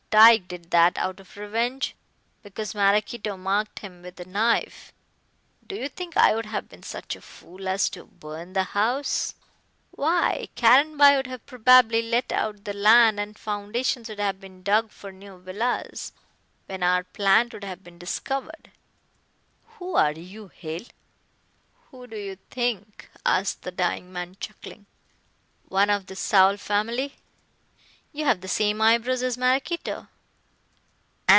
Tyke did that out of revenge, because Maraquito marked him with a knife. Do you think I would have been such a fool as to burn the house. Why, Caranby would have probably let out the land, and foundations would have been dug for new villas, when our plant would have been discovered." "Who are you, Hale?" "Who do you think?" asked the dying man, chuckling. "One of the Saul family. You have the same eyebrows as Maraquito."